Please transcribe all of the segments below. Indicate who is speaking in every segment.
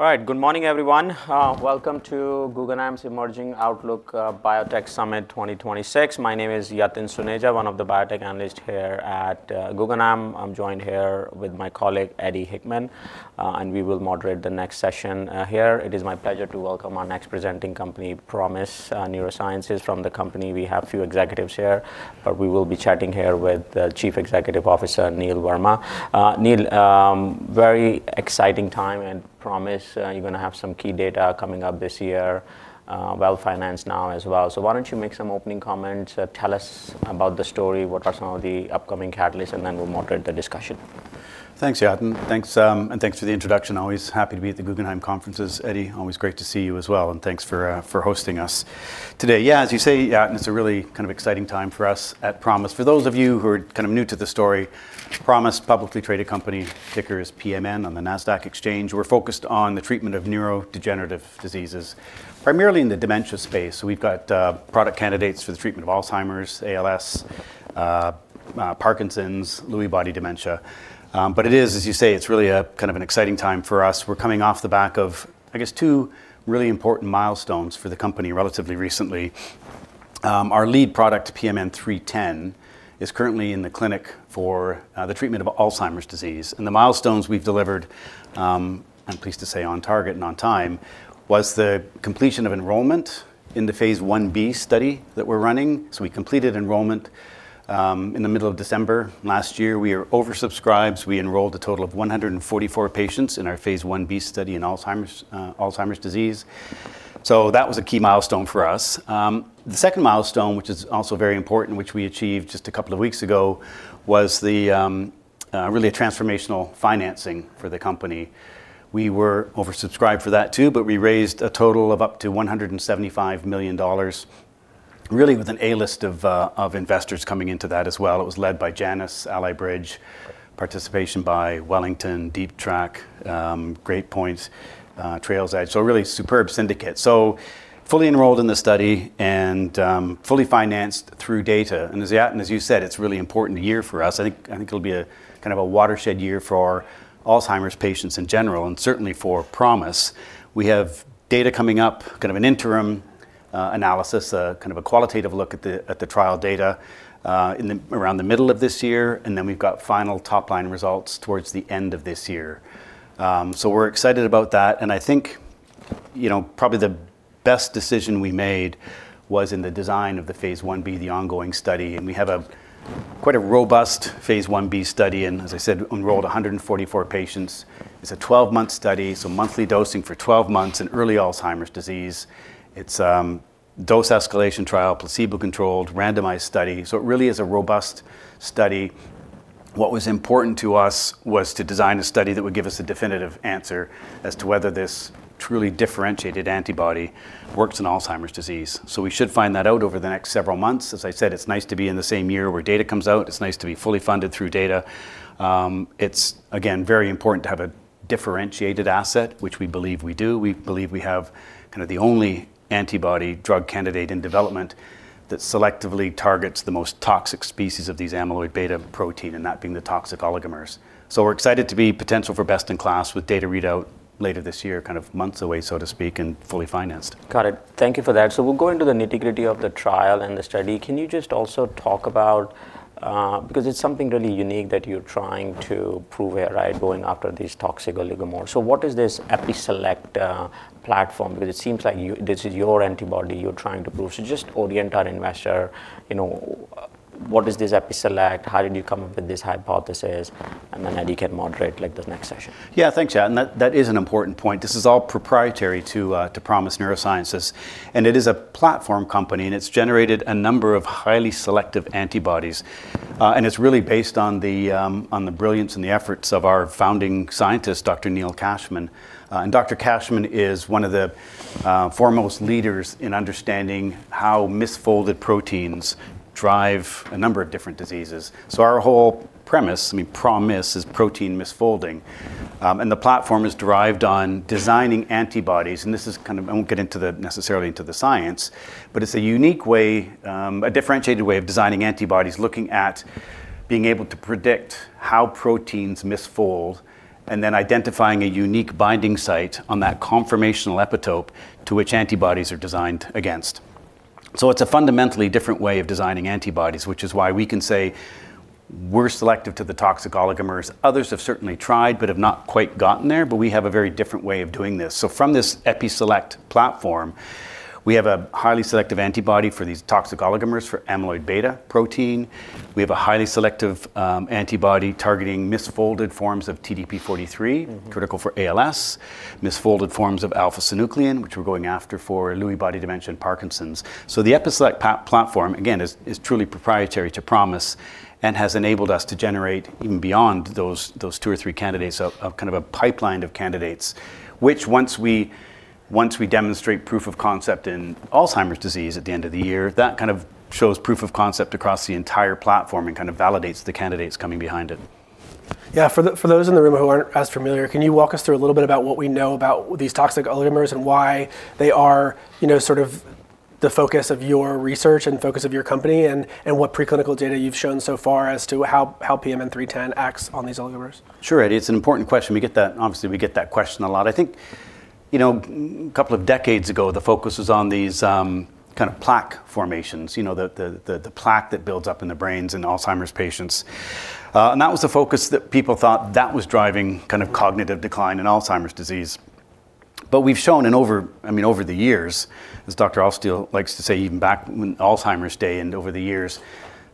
Speaker 1: All right, good morning everyone. Welcome to Guggenheim's Emerging Outlook, Biotech Summit 2026. My name is Yatin Suneja, one of the biotech analysts here at Guggenheim. I'm joined here with my colleague Eddie Hickman, and we will moderate the next session here. It is my pleasure to welcome our next presenting company, ProMIS Neurosciences. From the company, we have a few executives here, but we will be chatting here with Chief Executive Officer Neil Warma. Neil, very exciting time, and ProMIS, you're gonna have some key data coming up this year, well-financed now as well. So why don't you make some opening comments, tell us about the story, what are some of the upcoming catalysts, and then we'll moderate the discussion.
Speaker 2: Thanks, Yatin. Thanks, and thanks for the introduction. Always happy to be at the Guggenheim conferences, Eddie. Always great to see you as well, and thanks for hosting us today. Yeah, as you say, Yatin, it's a really kind of exciting time for us at ProMIS. For those of you who are kind of new to the story, ProMIS, publicly traded company, ticker is PMN on the Nasdaq exchange. We're focused on the treatment of neurodegenerative diseases, primarily in the dementia space. So we've got product candidates for the treatment of Alzheimer's, ALS, Parkinson's, Lewy body dementia. But it is, as you say, it's really a kind of an exciting time for us. We're coming off the back of, I guess, two really important milestones for the company relatively recently. Our lead product, PMN310, is currently in the clinic for the treatment of Alzheimer's disease. The milestones we've delivered, I'm pleased to say, on target and on time, was the completion of enrollment in the phase 1b study that we're running. So we completed enrollment in the middle of December last year. We are oversubscribed. We enrolled a total of 144 patients in our phase 1b study in Alzheimer's, Alzheimer's disease. So that was a key milestone for us. The second milestone, which is also very important, which we achieved just a couple of weeks ago, was the really a transformational financing for the company. We were oversubscribed for that too, but we raised a total of up to $175 million, really with an A-list of, of investors coming into that as well. It was led by Janus, Ally Bridge, participation by Wellington, Deep Track, Great Point, TrailsEdge. So a really superb syndicate. So fully enrolled in the study and fully financed through data. As Yatin, as you said, it's really important a year for us. I think, I think it'll be a kind of a watershed year for our Alzheimer's patients in general and certainly for ProMIS. We have data coming up, kind of an interim analysis, kind of a qualitative look at the trial data, in around the middle of this year. And then we've got final top-line results towards the end of this year. So we're excited about that. And I think, you know, probably the best decision we made was in the design of the phase 1b, the ongoing study. And we have quite a robust phase 1b study and, as I said, enrolled 144 patients. It's a 12-month study, so monthly dosing for 12 months in early Alzheimer's disease. It's dose escalation trial, placebo-controlled, randomized study. So it really is a robust study. What was important to us was to design a study that would give us a definitive answer as to whether this truly differentiated antibody works in Alzheimer's disease. So we should find that out over the next several months. As I said, it's nice to be in the same year where data comes out. It's nice to be fully funded through data. It's, again, very important to have a differentiated asset, which we believe we do. We believe we have kind of the only antibody drug candidate in development that selectively targets the most toxic species of these amyloid beta protein, and that being the toxic oligomers. So we're excited to be potential for best-in-class with data readout later this year, kind of months away, so to speak, and fully financed.
Speaker 1: Got it. Thank you for that. So we'll go into the nitty-gritty of the trial and the study. Can you just also talk about, because it's something really unique that you're trying to prove here, right, going after these toxic oligomers. So what is this EpiSelect platform? Because it seems like you this is your antibody you're trying to prove. So just orient our investor, you know, what is this EpiSelect? How did you come up with this hypothesis? And then Eddie can moderate, like, the next session.
Speaker 2: Yeah, thanks, Yatin. That is an important point. This is all proprietary to ProMIS Neurosciences. It is a platform company, and it's generated a number of highly selective antibodies. It's really based on the brilliance and the efforts of our founding scientist, Dr. Neil Cashman. Dr. Cashman is one of the foremost leaders in understanding how misfolded proteins drive a number of different diseases. So our whole premise, I mean, ProMIS, is protein misfolding. The platform is derived on designing antibodies. This is kind of, I won't get into necessarily the science, but it's a unique way, a differentiated way of designing antibodies, looking at being able to predict how proteins misfold and then identifying a unique binding site on that conformational epitope to which antibodies are designed against. So it's a fundamentally different way of designing antibodies, which is why we can say we're selective to the toxic oligomers. Others have certainly tried but have not quite gotten there. But we have a very different way of doing this. So from this EpiSelect platform, we have a highly selective antibody for these toxic oligomers, for amyloid beta protein. We have a highly selective, antibody targeting misfolded forms of TDP-43, critical for ALS, misfolded forms of alpha-synuclein, which we're going after for Lewy body dementia and Parkinson's. The EpiSelect platform, again, is truly proprietary to ProMIS and has enabled us to generate even beyond those two or three candidates a kind of pipeline of candidates, which once we demonstrate proof of concept in Alzheimer's disease at the end of the year, that kind of shows proof of concept across the entire platform and kind of validates the candidates coming behind it.
Speaker 3: Yeah, for those in the room who aren't as familiar, can you walk us through a little bit about what we know about these toxic oligomers and why they are, you know, sort of the focus of your research and focus of your company and what preclinical data you've shown so far as to how PMN310 acts on these oligomers?
Speaker 2: Sure, Eddie. It's an important question. We get that obviously, we get that question a lot. I think, you know, a couple of decades ago, the focus was on these, kind of plaque formations, you know, the plaque that builds up in the brains in Alzheimer's patients. And that was the focus that people thought that was driving kind of cognitive decline in Alzheimer's disease. But we've shown in over I mean, over the years, as Dr. Altstiel likes to say, even back when Alzheimer's day and over the years,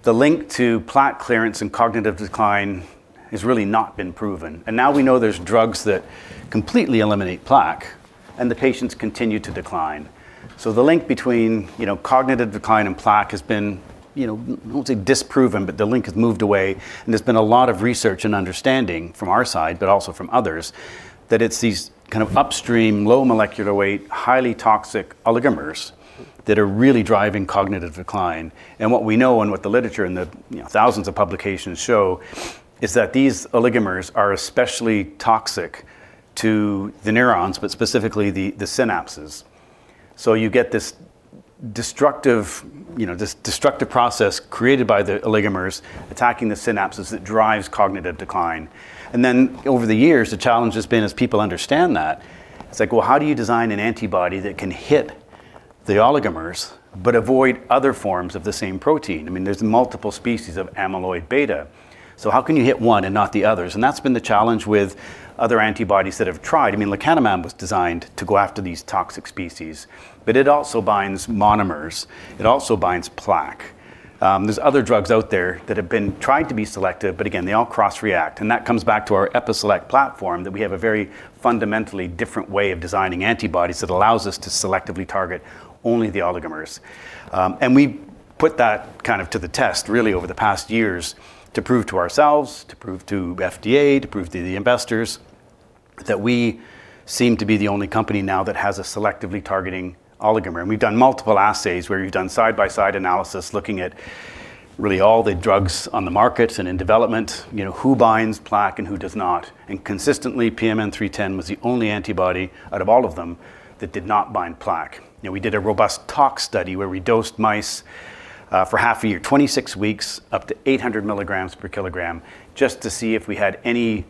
Speaker 2: the link to plaque clearance and cognitive decline has really not been proven. And now we know there's drugs that completely eliminate plaque, and the patients continue to decline. So the link between, you know, cognitive decline and plaque has been, you know, I won't say disproven, but the link has moved away. There's been a lot of research and understanding from our side, but also from others, that it's these kind of upstream, low molecular weight, highly toxic oligomers that are really driving cognitive decline. What we know and what the literature and the, you know, thousands of publications show is that these oligomers are especially toxic to the neurons, but specifically the synapses. So you get this destructive, you know, this destructive process created by the oligomers attacking the synapses that drives cognitive decline. Then over the years, the challenge has been as people understand that, it's like, well, how do you design an antibody that can hit the oligomers but avoid other forms of the same protein? I mean, there's multiple species of amyloid beta. So how can you hit one and not the others? That's been the challenge with other antibodies that have tried. I mean, lecanemab was designed to go after these toxic species, but it also binds monomers. It also binds plaque. There's other drugs out there that have been tried to be selective, but again, they all cross-react. And that comes back to our EpiSelect platform, that we have a very fundamentally different way of designing antibodies that allows us to selectively target only the oligomers. And we've put that kind of to the test, really, over the past years to prove to ourselves, to prove to FDA, to prove to the investors, that we seem to be the only company now that has a selectively targeting oligomer. And we've done multiple assays where we've done side-by-side analysis looking at really all the drugs on the market and in development, you know, who binds plaque and who does not. Consistently, PMN310 was the only antibody out of all of them that did not bind plaque. You know, we did a robust tox study where we dosed mice for half a year, 26 weeks, up to 800mg per kilogram, just to see if we had any,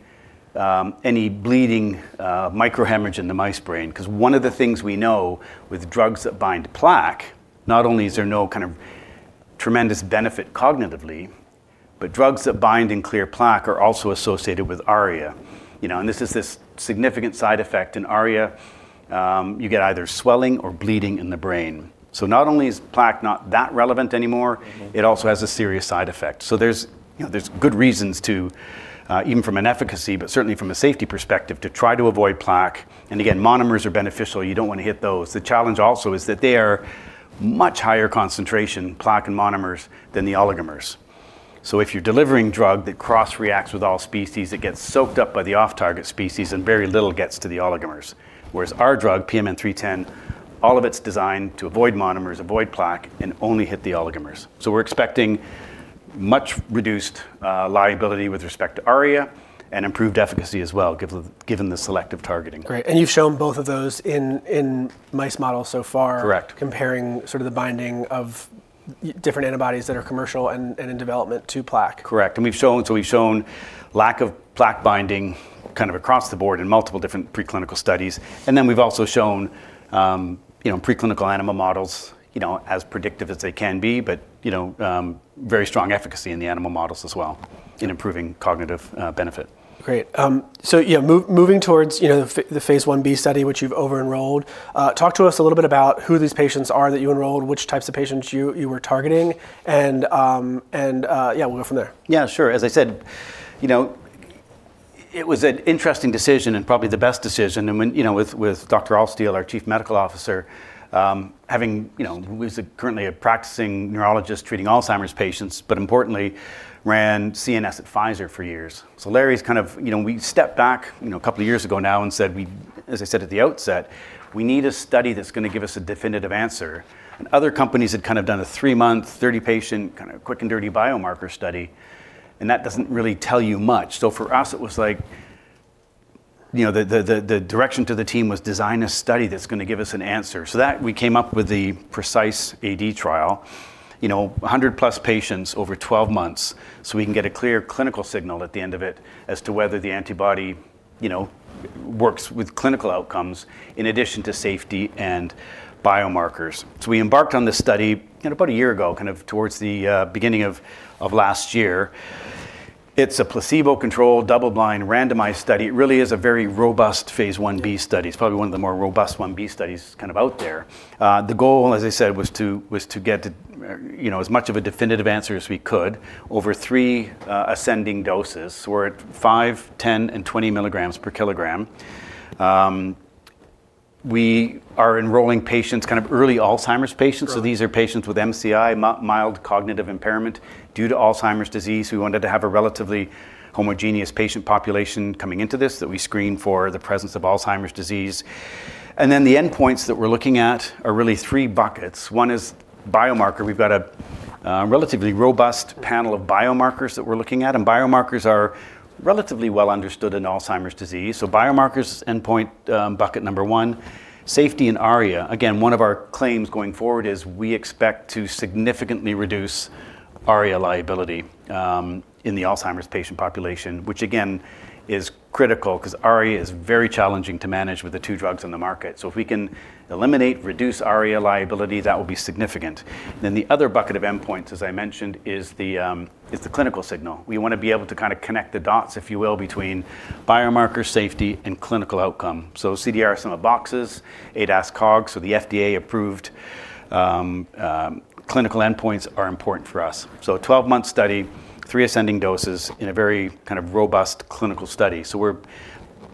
Speaker 2: any bleeding, microhemorrhage in the mice brain. Because one of the things we know with drugs that bind plaque, not only is there no kind of tremendous benefit cognitively, but drugs that bind and clear plaque are also associated with ARIA. You know, and this is this significant side effect. In ARIA, you get either swelling or bleeding in the brain. So not only is plaque not that relevant anymore, it also has a serious side effect. So there's, you know, there's good reasons to, even from an efficacy, but certainly from a safety perspective, to try to avoid plaque. Again, monomers are beneficial. You don't want to hit those. The challenge also is that they are much higher concentration, plaque and monomers, than the oligomers. So if you're delivering drug that cross-reacts with all species, it gets soaked up by the off-target species and very little gets to the oligomers. Whereas our drug, PMN310, all of it's designed to avoid monomers, avoid plaque, and only hit the oligomers. So we're expecting much reduced liability with respect to ARIA and improved efficacy as well, given the selective targeting.
Speaker 3: Great. And you've shown both of those in mice models so far, comparing sort of the binding of different antibodies that are commercial and in development to plaque.
Speaker 2: Correct. And we've shown lack of plaque binding kind of across the board in multiple different preclinical studies. And then we've also shown, you know, preclinical animal models, you know, as predictive as they can be, but, you know, very strong efficacy in the animal models as well in improving cognitive benefit.
Speaker 3: Great. So, yeah, moving towards, you know, the phase 1b study, which you've over-enrolled, talk to us a little bit about who these patients are that you enrolled, which types of patients you were targeting, and, yeah, we'll go from there.
Speaker 2: Yeah, sure. As I said, you know, it was an interesting decision and probably the best decision. And when, you know, with Dr. Altstiel, our Chief Medical Officer, having, you know, he was currently a practicing neurologist treating Alzheimer's patients, but importantly, ran CNS at Pfizer for years. So Larry's kind of, you know, we stepped back, you know, a couple of years ago now and said, we, as I said at the outset, we need a study that's going to give us a definitive answer. And other companies had kind of done a three-month, 30-patient, kind of quick and dirty biomarker study, and that doesn't really tell you much. So for us, it was like, you know, the direction to the team was design a study that's going to give us an answer. So that we came up with the Precise AD trial, you know, 100+ patients over 12 months so we can get a clear clinical signal at the end of it as to whether the antibody, you know, works with clinical outcomes in addition to safety and biomarkers. So we embarked on this study about a year ago, kind of towards the beginning of last year. It's a placebo-controlled, double-blind, randomized study. It really is a very robust phase 1b study. It's probably one of the more robust 1b studies kind of out there. The goal, as I said, was to get to, you know, as much of a definitive answer as we could over three ascending doses. So we're at 5, 10, and 20mg per kilogram. We are enrolling patients, kind of early Alzheimer's patients. So these are patients with MCI, mild cognitive impairment due to Alzheimer's disease. We wanted to have a relatively homogeneous patient population coming into this that we screen for the presence of Alzheimer's disease. And then the endpoints that we're looking at are really three buckets. One is biomarker. We've got a relatively robust panel of biomarkers that we're looking at. And biomarkers are relatively well understood in Alzheimer's disease. So biomarkers endpoint, bucket number one, safety in ARIA. Again, one of our claims going forward is we expect to significantly reduce ARIA liability in the Alzheimer's patient population, which again is critical because ARIA is very challenging to manage with the two drugs on the market. So if we can eliminate, reduce ARIA liability, that will be significant. Then the other bucket of endpoints, as I mentioned, is the clinical signal. We want to be able to kind of connect the dots, if you will, between biomarkers, safety, and clinical outcome. So CDR sum of boxes, ADAS-Cog. So the FDA-approved clinical endpoints are important for us. So a 12-month study, three ascending doses in a very kind of robust clinical study. So we're,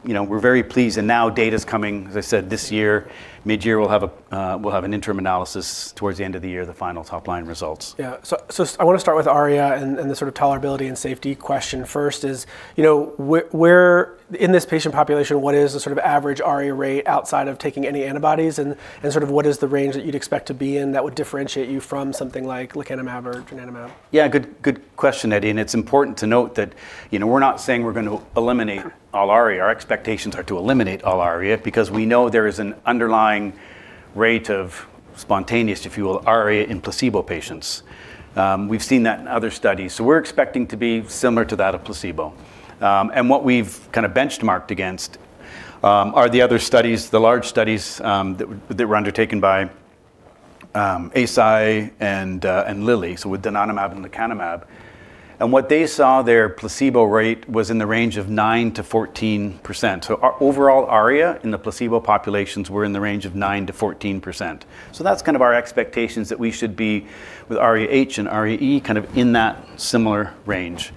Speaker 2: you know, we're very pleased. And now data is coming, as I said, this year, mid-year, we'll have an interim analysis towards the end of the year, the final top-line results.
Speaker 3: Yeah. So I want to start with ARIA and the sort of tolerability and safety question first is, you know, where in this patient population, what is the sort of average ARIA rate outside of taking any antibodies? And sort of what is the range that you'd expect to be in that would differentiate you from something like lecanemab or donanemab?
Speaker 2: Yeah, good question, Eddie. It's important to note that, you know, we're not saying we're going to eliminate all ARIA. Our expectations are to eliminate all ARIA because we know there is an underlying rate of spontaneous, if you will, ARIA in placebo patients. We've seen that in other studies. We're expecting to be similar to that of placebo. What we've kind of benchmarked against are the other studies, the large studies that were undertaken by Eisai and Lilly, so with donanemab and lecanemab. What they saw, their placebo rate was in the range of 9% to 14%. Overall ARIA in the placebo populations were in the range of 9% to 14%. That's kind of our expectations that we should be with ARIA-H and ARIA-E kind of in that similar range.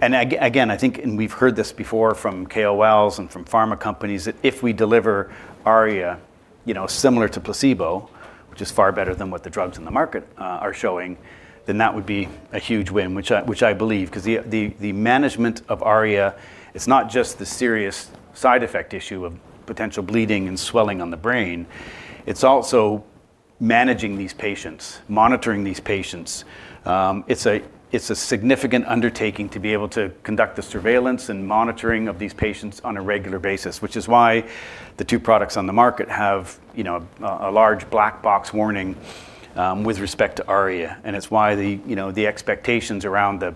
Speaker 2: Again, I think, and we've heard this before from KOLs and from pharma companies, that if we deliver ARIA, you know, similar to placebo, which is far better than what the drugs in the market are showing, then that would be a huge win, which I believe. Because the management of ARIA, it's not just the serious side effect issue of potential bleeding and swelling on the brain. It's also managing these patients, monitoring these patients. It's a significant undertaking to be able to conduct the surveillance and monitoring of these patients on a regular basis, which is why the two products on the market have, you know, a large black box warning with respect to ARIA. It's why the, you know, the expectations around the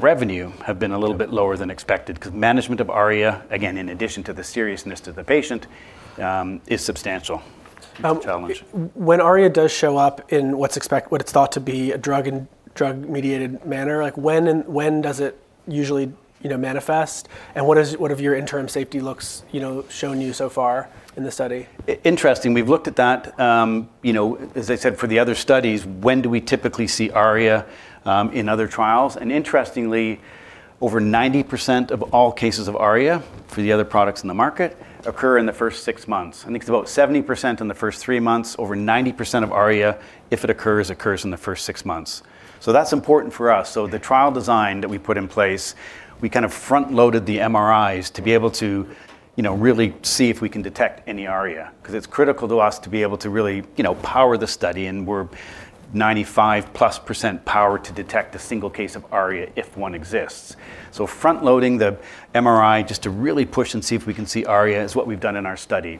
Speaker 2: revenue have been a little bit lower than expected. Because management of ARIA, again, in addition to the seriousness to the patient, is substantial challenge.
Speaker 3: When ARIA does show up in what's expected to be a drug-induced, drug-mediated manner, like when does it usually, you know, manifest? And what have your interim safety looks, you know, shown you so far in the study?
Speaker 2: Interesting. We've looked at that. You know, as I said, for the other studies, when do we typically see ARIA in other trials? And interestingly, over 90% of all cases of ARIA for the other products in the market occur in the first six months. I think it's about 70% in the first three months. Over 90% of ARIA, if it occurs, occurs in the first six months. So that's important for us. So the trial design that we put in place, we kind of front-loaded the MRIs to be able to, you know, really see if we can detect any ARIA. Because it's critical to us to be able to really, you know, power the study. And we're 95+% powered to detect a single case of ARIA if one exists. So front-loading the MRI just to really push and see if we can see ARIA is what we've done in our study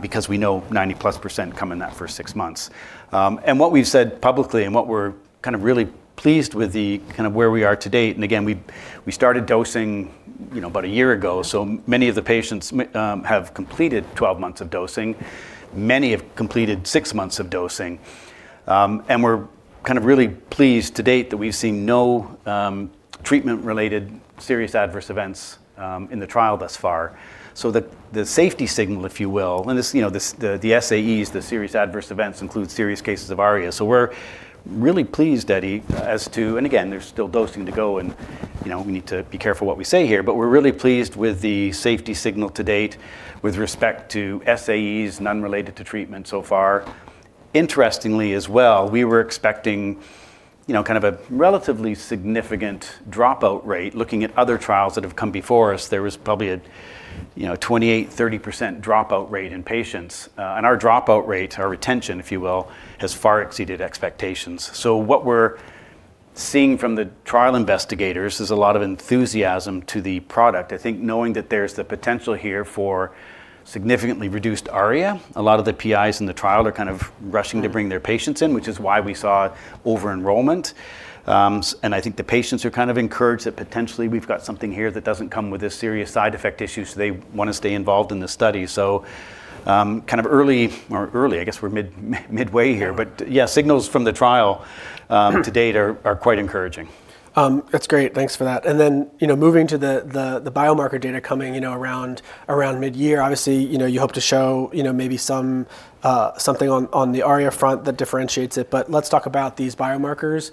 Speaker 2: because we know 90%+ come in that first six months. And what we've said publicly and what we're kind of really pleased with the kind of where we are to date and again, we started dosing, you know, about a year ago. So many of the patients have completed 12 months of dosing. Many have completed six months of dosing. And we're kind of really pleased to date that we've seen no treatment-related serious adverse events in the trial thus far. So the safety signal, if you will, and this, you know, the SAEs, the serious adverse events include serious cases of ARIA. So we're really pleased, Eddie, as to and again, there's still dosing to go and, you know, we need to be careful what we say here. But we're really pleased with the safety signal to date with respect to SAEs, none related to treatment so far. Interestingly as well, we were expecting, you know, kind of a relatively significant dropout rate. Looking at other trials that have come before us, there was probably a, you know, 28% to 30% dropout rate in patients. And our dropout rate, our retention, if you will, has far exceeded expectations. So what we're seeing from the trial investigators is a lot of enthusiasm to the product. I think knowing that there's the potential here for significantly reduced ARIA, a lot of the PIs in the trial are kind of rushing to bring their patients in, which is why we saw over-enrollment. I think the patients are kind of encouraged that potentially we've got something here that doesn't come with this serious side effect issues. So they want to stay involved in the study. So kind of early, I guess we're midway here. But yeah, signals from the trial to date are quite encouraging.
Speaker 3: That's great. Thanks for that. Then, you know, moving to the biomarker data coming, you know, around mid-year, obviously, you know, you hope to show, you know, maybe something on the ARIA front that differentiates it. Let's talk about these biomarkers.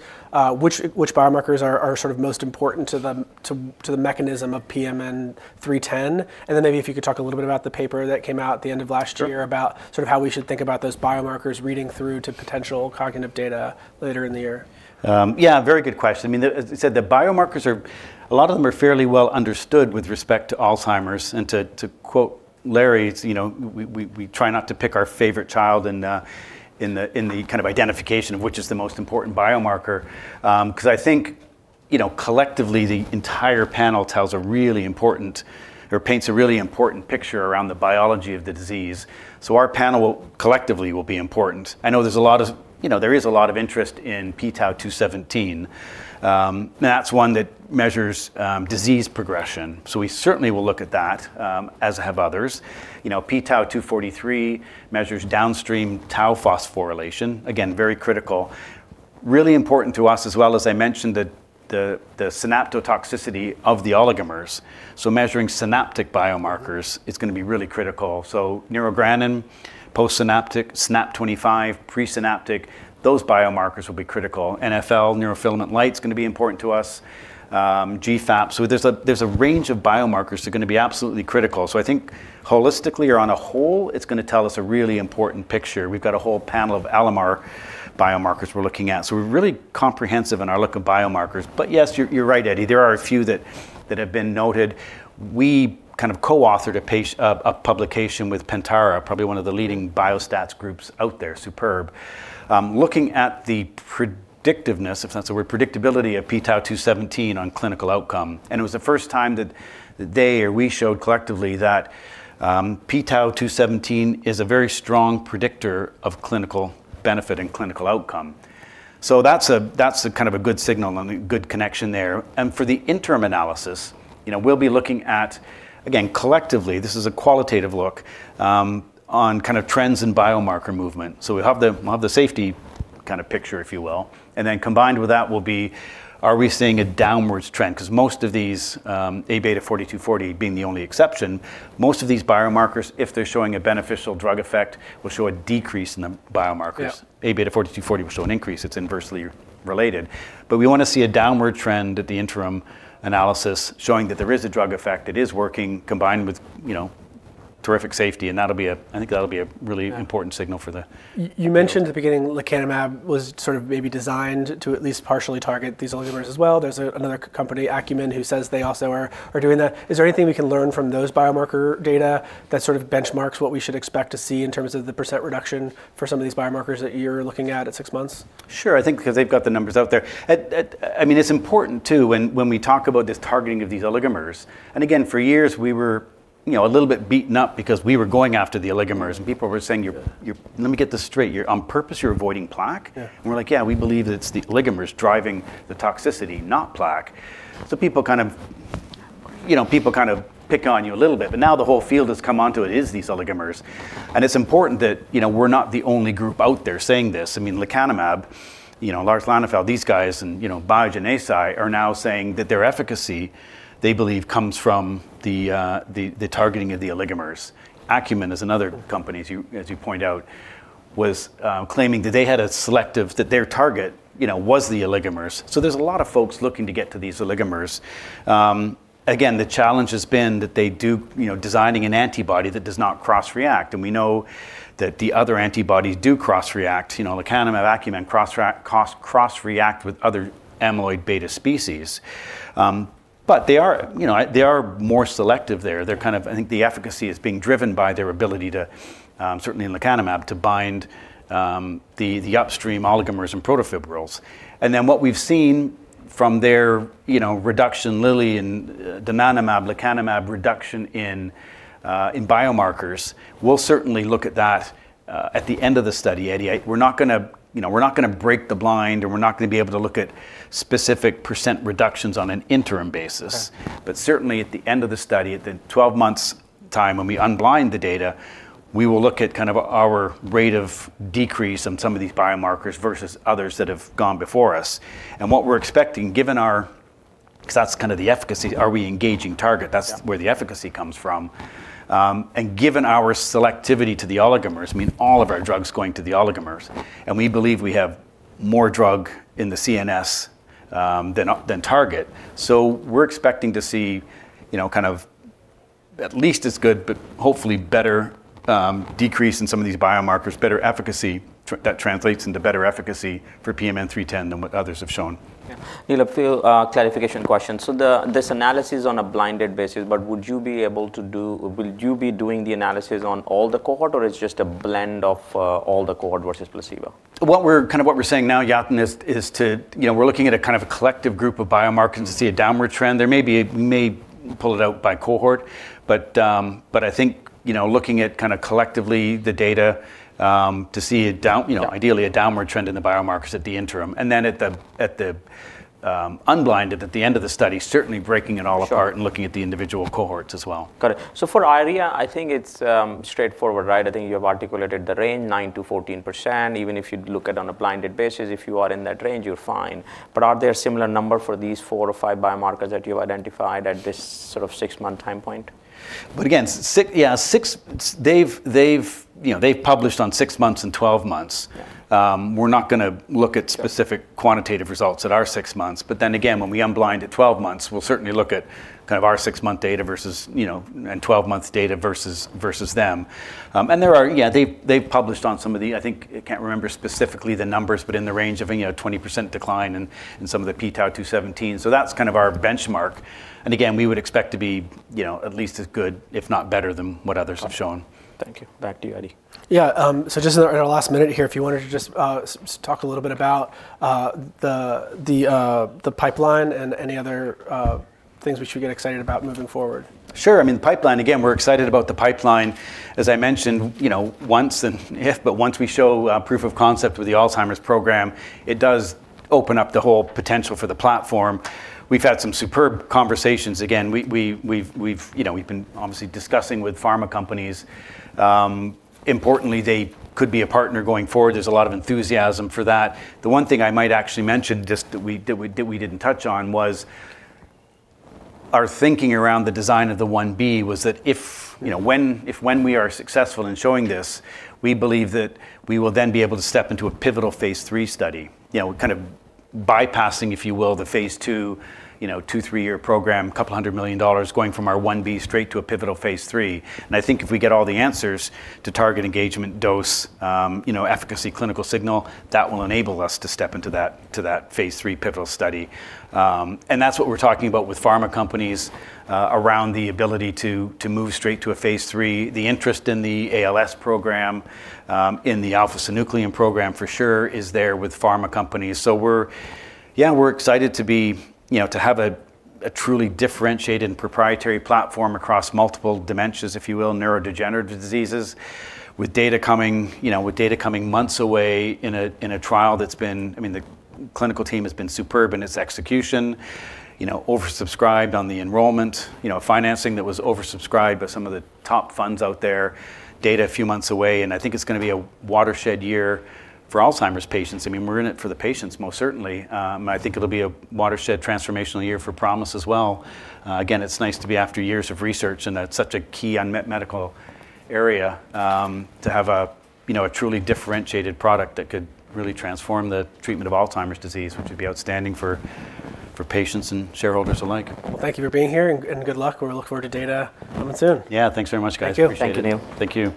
Speaker 3: Which biomarkers are sort of most important to the mechanism of PMN310? Then maybe if you could talk a little bit about the paper that came out at the end of last year about sort of how we should think about those biomarkers reading through to potential cognitive data later in the year.
Speaker 2: Yeah, very good question. I mean, as I said, the biomarkers are a lot of them are fairly well understood with respect to Alzheimer's. And to quote Larry, you know, we try not to pick our favorite child in the kind of identification of which is the most important biomarker. Because I think, you know, collectively, the entire panel tells a really important or paints a really important picture around the biology of the disease. So our panel collectively will be important. I know there's a lot of, you know, there is a lot of interest in p-tau217. And that's one that measures disease progression. So we certainly will look at that, as have others. You know, p-tau243 measures downstream tau phosphorylation. Again, very critical, really important to us as well, as I mentioned, the synaptotoxicity of the oligomers. So measuring synaptic biomarkers is going to be really critical. Neurogranin, post-synaptic, SNAP-25, pre-synaptic, those biomarkers will be critical. NfL, neurofilament light, is going to be important to us. GFAP. So there's a range of biomarkers that are going to be absolutely critical. So I think holistically or on a whole, it's going to tell us a really important picture. We've got a whole panel of Alamar biomarkers we're looking at. So we're really comprehensive in our look at biomarkers. But yes, you're right, Eddie. There are a few that have been noted. We kind of co-authored a publication with Pentara, probably one of the leading biostats groups out there, superb, looking at the predictiveness, if that's the word, predictability of p-tau217 on clinical outcome. And it was the first time that they or we showed collectively that p-tau217 is a very strong predictor of clinical benefit and clinical outcome. So that's a kind of a good signal and a good connection there. And for the interim analysis, you know, we'll be looking at, again, collectively, this is a qualitative look on kind of trends in biomarker movement. So we'll have the safety kind of picture, if you will. And then combined with that will be, are we seeing a downward trend? Because most of these Abeta 42/40, being the only exception, most of these biomarkers, if they're showing a beneficial drug effect, will show a decrease in the biomarkers. Abeta 42/40 will show an increase. It's inversely related. But we want to see a downward trend at the interim analysis showing that there is a drug effect. It is working combined with, you know, terrific safety. And that'll be, I think, that'll be a really important signal for the.
Speaker 3: You mentioned at the beginning lecanemab was sort of maybe designed to at least partially target these oligomers as well. There's another company, Acumen, who says they also are doing that. Is there anything we can learn from those biomarker data that sort of benchmarks what we should expect to see in terms of the percent reduction for some of these biomarkers that you're looking at at six months?
Speaker 2: Sure. I think because they've got the numbers out there. I mean, it's important too when we talk about this targeting of these oligomers. And again, for years, we were, you know, a little bit beaten up because we were going after the oligomers. And people were saying, let me get this straight. On purpose, you're avoiding plaque. And we're like, yeah, we believe that it's the oligomers driving the toxicity, not plaque. So people kind of, you know, people kind of pick on you a little bit. But now the whole field has come on to it is these oligomers. And it's important that, you know, we're not the only group out there saying this. I mean, lecanemab, you know, Lars Lannfelt, these guys and, you know, Biogen and Eisai are now saying that their efficacy, they believe, comes from the targeting of the oligomers. Acumen, as another company, as you point out, was claiming that they had a selective that their target, you know, was the oligomers. So there's a lot of folks looking to get to these oligomers. Again, the challenge has been that they do, you know, designing an antibody that does not cross-react. And we know that the other antibodies do cross-react, you know, lecanemab, Acumen, cross-react with other amyloid beta species. But they are, you know, they are more selective there. They're kind of, I think the efficacy is being driven by their ability to, certainly in lecanemab, to bind the upstream oligomers and protofibrils. And then what we've seen from their, you know, reduction, Lilly and donanemab, lecanemab reduction in biomarkers, we'll certainly look at that at the end of the study, Eddie. We're not going to, you know, we're not going to break the blind or we're not going to be able to look at specific % reductions on an interim basis. But certainly at the end of the study, at the 12-month time when we unblind the data, we will look at kind of our rate of decrease on some of these biomarkers versus others that have gone before us. And what we're expecting, given our, because that's kind of the efficacy, are we engaging target? That's where the efficacy comes from. And given our selectivity to the oligomers, I mean, all of our drugs going to the oligomers. And we believe we have more drug in the CNS than target. We're expecting to see, you know, kind of at least as good, but hopefully better decrease in some of these biomarkers, better efficacy that translates into better efficacy for PMN310 than what others have shown.
Speaker 1: Yeah. Neil, a few clarification questions. So this analysis is on a blinded basis. But would you be able to do, will you be doing the analysis on all the cohort or it's just a blend of all the cohort versus placebo?
Speaker 2: What we're kind of saying now, Yatin, is, you know, to look at a kind of a collective group of biomarkers to see a downward trend. There may be, we may pull it out by cohort. But I think, you know, looking at kind of collectively the data to see a, you know, ideally a downward trend in the biomarkers at the interim. And then at the unblinded, at the end of the study, certainly breaking it all apart and looking at the individual cohorts as well.
Speaker 1: Got it. So for ARIA, I think it's straightforward, right? I think you have articulated the range 9% to 14%. Even if you look at on a blinded basis, if you are in that range, you're fine. But are there similar numbers for these four or five biomarkers that you've identified at this sort of six-month time point?
Speaker 2: But again, yeah, six, they've, you know, they've published on six months and 12 months. We're not going to look at specific quantitative results at our six months. But then again, when we unblind at 12 months, we'll certainly look at kind of our six-month data versus, you know, and 12-month data versus them. And there are, yeah, they've published on some of the, I think, I can't remember specifically the numbers, but in the range of a 20% decline in some of the p-tau217. So that's kind of our benchmark. And again, we would expect to be, you know, at least as good, if not better than what others have shown.
Speaker 1: Thank you. Back to you, Eddie.
Speaker 3: Yeah. So just in our last minute here, if you wanted to just talk a little bit about the pipeline and any other things we should get excited about moving forward.
Speaker 2: Sure. I mean, the pipeline, again, we're excited about the pipeline. As I mentioned, you know, once and if, but once we show proof of concept with the Alzheimer's program, it does open up the whole potential for the platform. We've had some superb conversations. Again, we've, you know, we've been obviously discussing with pharma companies. Importantly, they could be a partner going forward. There's a lot of enthusiasm for that. The one thing I might actually mention just that we didn't touch on was our thinking around the design of the 1b was that if, you know, when we are successful in showing this, we believe that we will then be able to step into a pivotal phase 3 study, you know, kind of bypassing, if you will, the phase 2, you know, 2 to 3-year program, $200 million going from our 1b straight to a pivotal phase 3. And I think if we get all the answers to target engagement, dose, you know, efficacy, clinical signal, that will enable us to step into that phase 3 pivotal study. And that's what we're talking about with pharma companies around the ability to move straight to a phase 3. The interest in the ALS program, in the alpha-synuclein program for sure is there with pharma companies. We're excited to be, you know, to have a truly differentiated and proprietary platform across multiple dementias, if you will, neurodegenerative diseases with data coming, you know, with data coming months away in a trial that's been, I mean, the clinical team has been superb in its execution, you know, oversubscribed on the enrollment, you know, financing that was oversubscribed by some of the top funds out there, data a few months away. And I think it's going to be a watershed year for Alzheimer's patients. I mean, we're in it for the patients, most certainly. I think it'll be a watershed transformational year for ProMIS as well. Again, it's nice to be after years of research. That's such a key unmet medical area to have a, you know, a truly differentiated product that could really transform the treatment of Alzheimer's disease, which would be outstanding for patients and shareholders alike.
Speaker 3: Well, thank you for being here and good luck. We're looking forward to data coming soon.
Speaker 2: Yeah. Thanks very much, guys.
Speaker 3: Thank you. Thank you, Neil.
Speaker 2: Thank you.